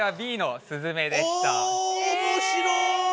おもしろい？